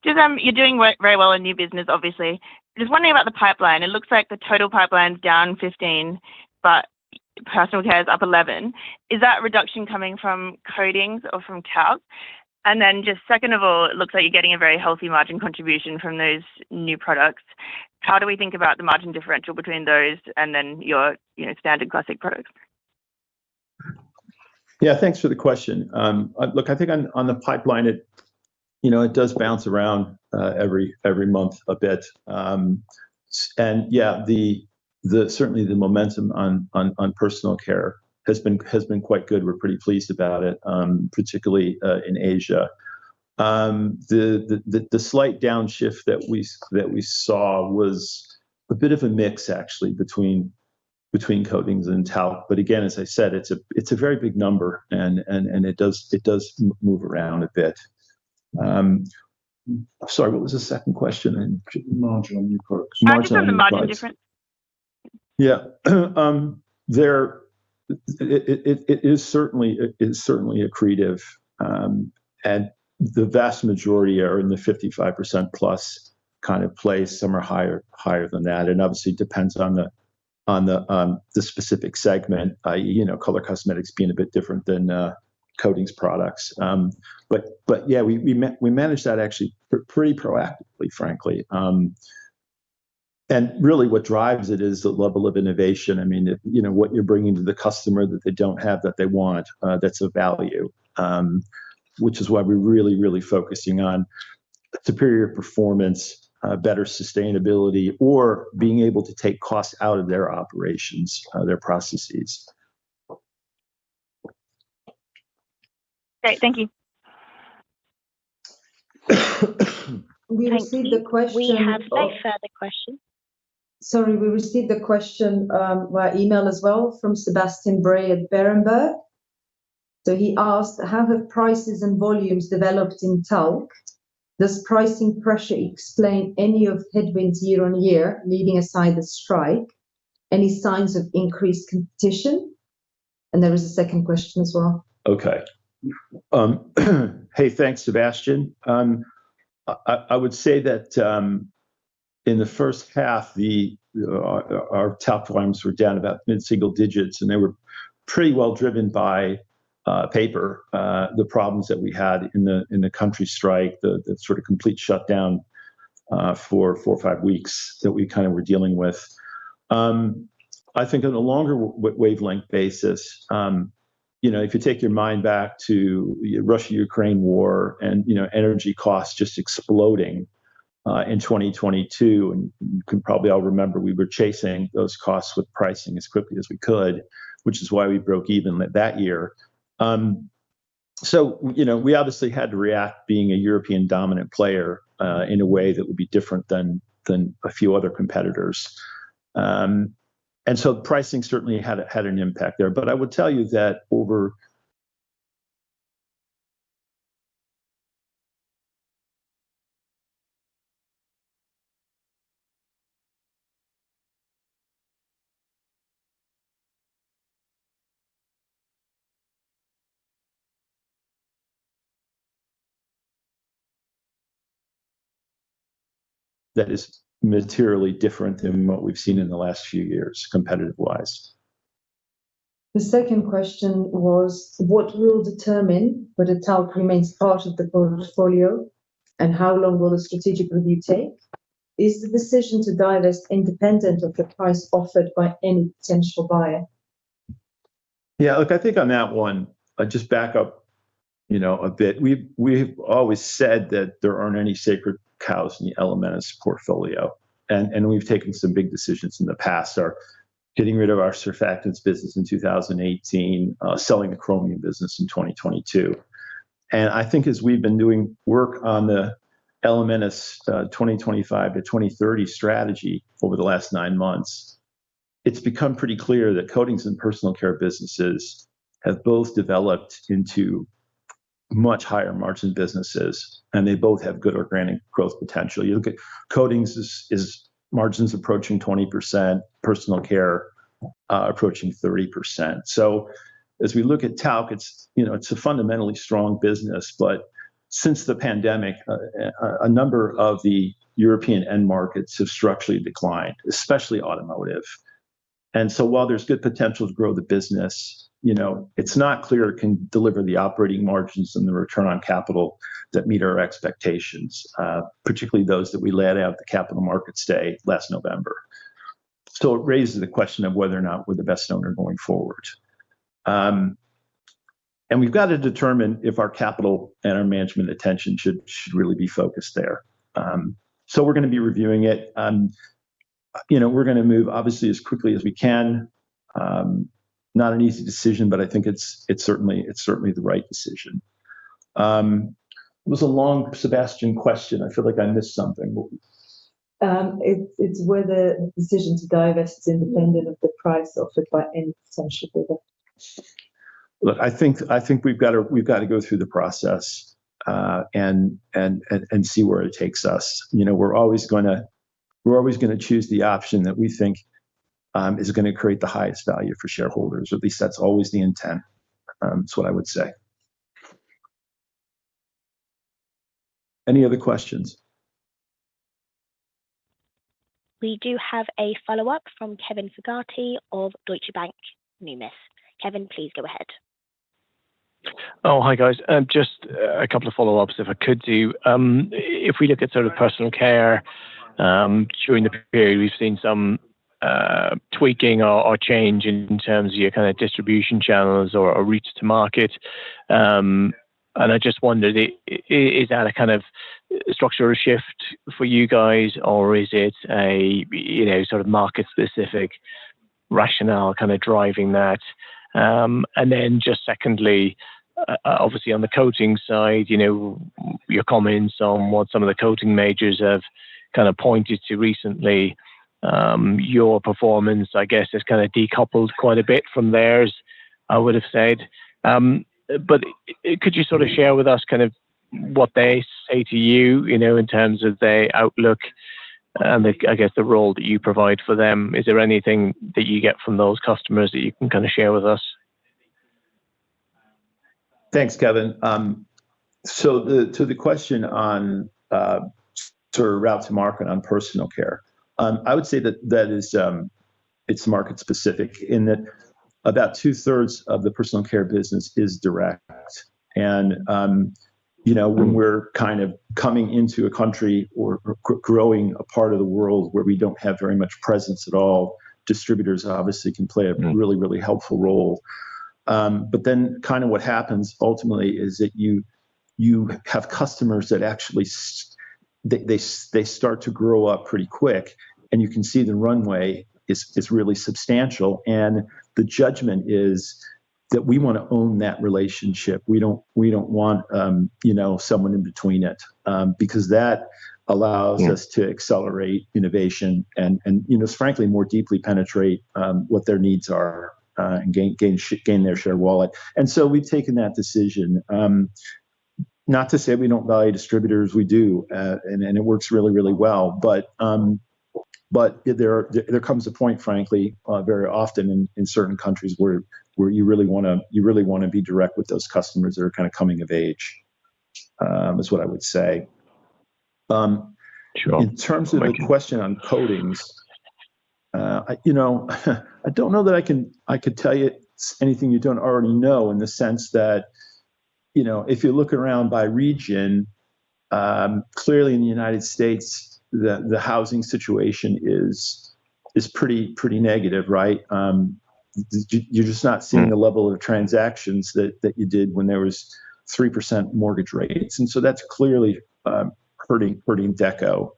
Paul, you're doing work very well in new business, obviously. Just wondering about the pipeline. It looks like the total pipeline is down 15, but personal care is up 11. Is that reduction coming from coatings or from talc? And then just second of all, it looks like you're getting a very healthy margin contribution from those new products. How do we think about the margin differential between those and then your, you know, standard classic products? Yeah, thanks for the question. Look, I think on the pipeline, you know, it does bounce around every month a bit. And certainly the momentum on personal care has been quite good. We're pretty pleased about it, particularly in Asia. The slight downshift that we saw was a bit of a mix actually between coatings and talc. But again, as I said, it's a very big number, and it does move around a bit. Sorry, what was the second question then? Margin on new products. Margins on the margin difference. Yeah. It is certainly, it is certainly accretive, and the vast majority are in the 55%+ kind of place. Some are higher than that, and obviously it depends on the specific segment, you know, color cosmetics being a bit different than coatings products. But yeah, we manage that actually pretty proactively, frankly. And really what drives it is the level of innovation. I mean, you know, what you're bringing to the customer that they don't have, that they want, that's of value, which is why we're really focusing on superior performance, better sustainability, or being able to take costs out of their operations, their processes. Great. Thank you. We received a question- We have a further question. Sorry. We received a question via email as well from Sebastian Bray at Berenberg. So he asked: How have prices and volumes developed in talc? Does pricing pressure explain any of the headwinds year-on-year, leaving aside the strike? Any signs of increased competition? And there was a second question as well. Okay. Hey, thanks, Sebastian. I would say that in the first half, our talc volumes were down about mid-single digits, and they were pretty well driven by paper, the problems that we had in the country strike, the sort of complete shutdown for four or five weeks that we kind of were dealing with. I think on a longer wavelength basis, you know, if you take your mind back to the Russia-Ukraine war and, you know, energy costs just exploding in 2022, and you can probably all remember, we were chasing those costs with pricing as quickly as we could, which is why we broke even that year. So, you know, we obviously had to react, being a European dominant player, in a way that would be different than a few other competitors. And so pricing certainly had an impact there. But I would tell you that is materially different than what we've seen in the last few years, competitive-wise. The second question was: What will determine whether talc remains part of the portfolio, and how long will the strategic review take? Is the decision to divest independent of the price offered by any potential buyer? Yeah, look, I think on that one, I'll just back up, you know, a bit. We've, we've always said that there aren't any sacred cows in the Elementis portfolio, and, and we've taken some big decisions in the past. Getting rid of our surfactants business in 2018, selling the chromium business in 2022. And I think as we've been doing work on the Elementis 2025 to 2030 strategy over the last nine months, it's become pretty clear that Coatings and Personal Care businesses have both developed into much higher margin businesses, and they both have good organic growth potential. You look at Coatings margins approaching 20%, Personal Care approaching 30%. So as we look at talc, it's, you know, it's a fundamentally strong business, but since the pandemic, a number of the European end markets have structurally declined, especially automotive. And so while there's good potential to grow the business, you know, it's not clear it can deliver the operating margins and the return on capital that meet our expectations, particularly those that we laid out at the Capital Markets Day last November. So it raises the question of whether or not we're the best owner going forward. And we've got to determine if our capital and our management attention should really be focused there. So we're going to be reviewing it. You know, we're going to move, obviously, as quickly as we can. Not an easy decision, but I think it's, it's certainly, it's certainly the right decision. It was a long Sebastian question. I feel like I missed something, but- It's whether the decision to divest is independent of the price offered by any potential bidder? Look, I think, I think we've got to, we've got to go through the process, and see where it takes us. You know, we're always gonna, we're always gonna choose the option that we think is gonna create the highest value for shareholders. At least that's always the intent, that's what I would say. Any other questions? We do have a follow-up from Kevin Fogarty of Deutsche Numis. Kevin, please go ahead. Oh, hi, guys. Just a couple of follow-ups, if I could do. If we look at sort of personal care, during the period, we've seen some tweaking or change in terms of your kind of distribution channels or reach to market. And I just wondered, is that a kind of structural shift for you guys, or is it a, you know, sort of market-specific rationale kind of driving that? And then just secondly, obviously, on the coatings side, you know, your comments on what some of the coating majors have kind of pointed to recently, your performance, I guess, has kind of decoupled quite a bit from theirs, I would have said. But could you sort of share with us kind of what they say to you, you know, in terms of their outlook, and, I guess, the role that you provide for them? Is there anything that you get from those customers that you can kind of share with us? Thanks, Kevin. So to the question on sort of route to market on personal care, I would say that that is, it's market-specific in that about2/3 of the personal care business is direct. And you know, when we're kind of coming into a country or growing a part of the world where we don't have very much presence at all, distributors obviously can play a really, really helpful role. But then kind of what happens ultimately is that you have customers that actually they start to grow up pretty quick, and you can see the runway is really substantial, and the judgment is that we want to own that relationship. We don't, we don't want you know, someone in between it, because that allows us- Yeah To accelerate innovation and, you know, frankly, more deeply penetrate what their needs are, and gain their share of wallet. And so we've taken that decision. Not to say we don't value distributors, we do, and it works really, really well. But there comes a point, frankly, very often in certain countries where you really wanna be direct with those customers that are kind of coming of age, is what I would say. Sure. In terms of the question on coatings, you know, I don't know that I could tell you anything you don't already know in the sense that, you know, if you look around by region, clearly in the United States, the housing situation is pretty negative, right? You're just not seeing the level of transactions that you did when there was 3% mortgage rates, and so that's clearly hurting Deco.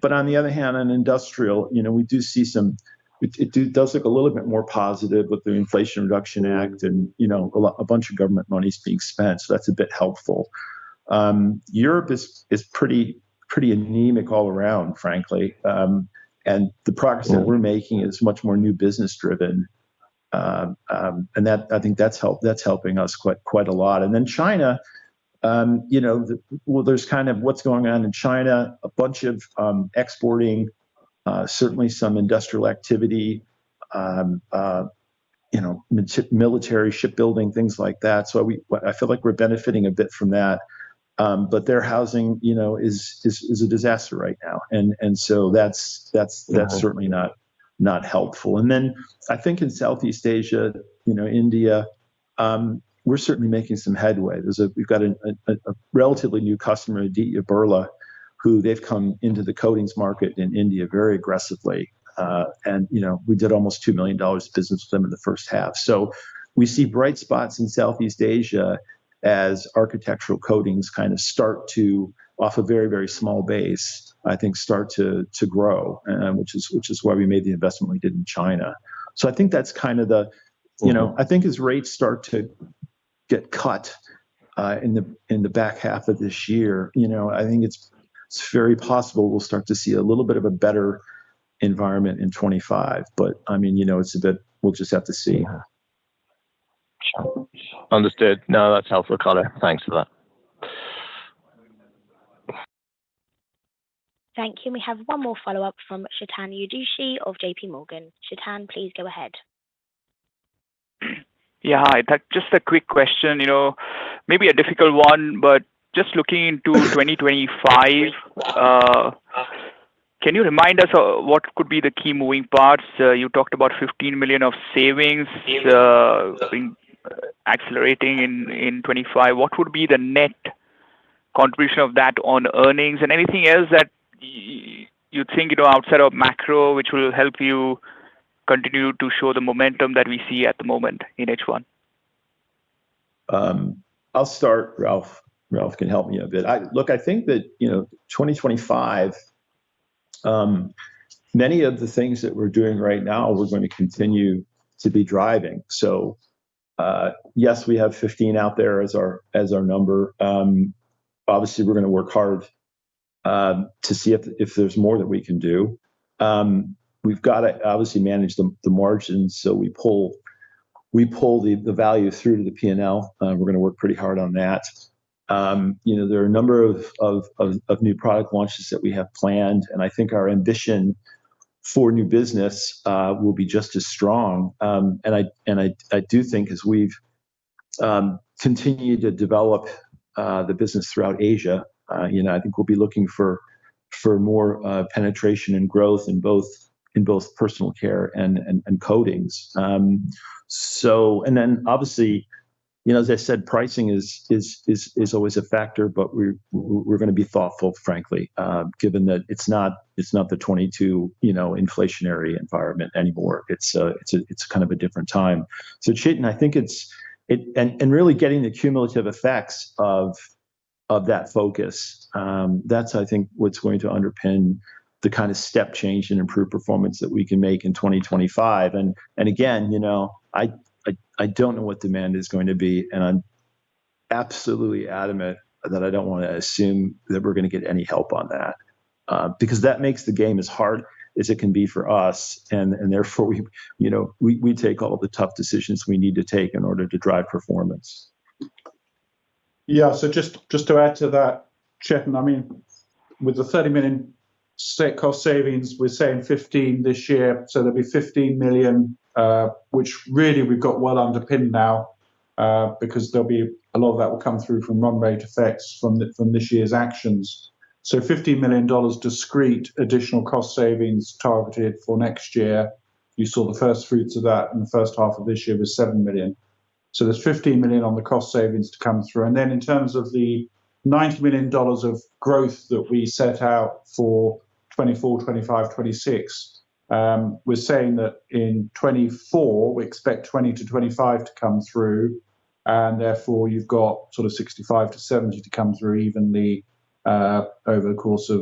But on the other hand, in industrial, you know, we do see some, it does look a little bit more positive with the Inflation Reduction Act and, you know, a bunch of government money is being spent, so that's a bit helpful. Europe is pretty anemic all around, frankly, and the progress that we're making is much more new business driven. And that, I think that's helping us quite a lot. And then China, you know, well, there's kind of what's going on in China, a bunch of exporting, certainly some industrial activity, you know, military shipbuilding, things like that. So I feel like we're benefiting a bit from that. But their housing, you know, is a disaster right now. And so that's— Yeah That's certainly not, not helpful. And then I think in Southeast Asia, you know, India, we're certainly making some headway. There's we've got a relatively new customer, Aditya Birla, who they've come into the coatings market in India very aggressively. And, you know, we did almost $2 million of business with them in the first half. So we see bright spots in Southeast Asia as architectural coatings kind of start to, off a very, very small base, I think, start to, to grow, which is, which is why we made the investment we did in China. So I think that's kind of the- Mm-hmm You know, I think as rates start to get cut in the back half of this year. You know, I think it's very possible we'll start to see a little bit of a better environment in 2025. But, I mean, you know, it's a bit... We'll just have to see. Understood. No, that's helpful, color. Thanks for that. Thank you. We have one more follow-up from Chetan Udeshi of JPMorgan. Chetan, please go ahead. Yeah, hi. Just a quick question, you know, maybe a difficult one, but just looking into 2025, can you remind us of what could be the key moving parts? You talked about $15 million of savings in accelerating in 2025. What would be the net contribution of that on earnings? And anything else that you'd think you know, outside of macro, which will help you continue to show the momentum that we see at the moment in H1? I'll start, Ralph. Ralph can help me a bit. Look, I think that, you know, 2025, many of the things that we're doing right now, we're going to continue to be driving. So, yes, we have $15 million out there as our, as our number. Obviously, we're going to work hard to see if, if there's more that we can do. We've got to obviously manage the, the margins, so we pull, we pull the, the value through to the P&L. We're going to work pretty hard on that. You know, there are a number of, of, of, of new product launches that we have planned, and I think our ambition for new business will be just as strong. I do think as we've continued to develop the business throughout Asia, you know, I think we'll be looking for more penetration and growth in both personal care and coatings. And then, obviously, you know, as I said, pricing is always a factor, but we're going to be thoughtful, frankly, given that it's not the 2022 inflationary environment anymore. It's kind of a different time. So, Chetan, I think it's... And really getting the cumulative effects of that focus, that's how I think what's going to underpin the kind of step change and improved performance that we can make in 2025. And again, you know, I don't know what demand is going to be, and I'm absolutely adamant that I don't want to assume that we're going to get any help on that. Because that makes the game as hard as it can be for us, and therefore, we, you know, we take all the tough decisions we need to take in order to drive performance. Yeah, so just, just to add to that, Chetan, I mean, with the $30 million set cost savings, we're saying $15 million this year, so there'll be $15 million, which really we've got well underpinned now, because there'll be a lot of that will come through from run rate effects from the, from this year's actions. So $50 million discrete additional cost savings targeted for next year. You saw the first fruits of that in the first half of this year was $7 million. So there's $15 million on the cost savings to come through. In terms of the $90 million of growth that we set out for 2024, 2025, 2026, we're saying that in 2024, we expect $20 million-$25 million to come through, and therefore, you've got sort of $65 million-$70 million to come through evenly over the course of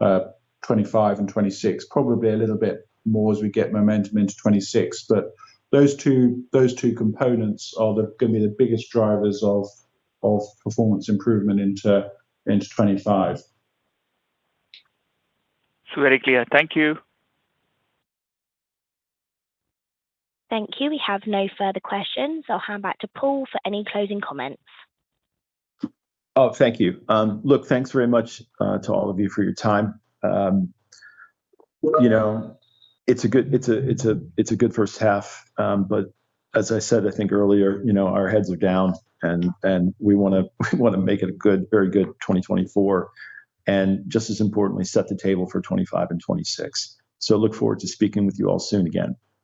2025 and 2026. Probably a little bit more as we get momentum into 2026. But those two, those two components are gonna be the biggest drivers of performance improvement into 2025. Very clear. Thank you. Thank you. We have no further questions, so I'll hand back to Paul for any closing comments. Oh, thank you. Look, thanks very much to all of you for your time. You know, it's a good first half, but as I said, I think earlier, you know, our heads are down, and we wanna make it a good, very good 2024, and just as importantly, set the table for 2025 and 2026. So look forward to speaking with you all soon again.